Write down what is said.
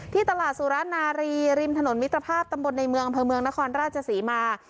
ที่ตลาดสุรนารีริมถนนมิตรภาพตำบลในเมืองอำเภอเมืองนครราชศรีมา